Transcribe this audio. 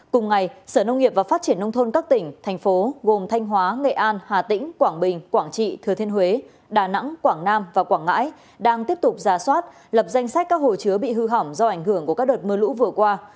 cùng ngày sở nông nghiệp và phát triển nông thôn các tỉnh thành phố gồm thanh hóa nghệ an hà tĩnh quảng bình quảng trị thừa thiên huế đà nẵng quảng nam và quảng ngãi đang tiếp tục ra soát lập danh sách các hồ chứa bị hư hỏng do ảnh hưởng của các đợt mưa lũ vừa qua